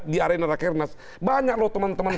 di arena rakernas banyak loh teman teman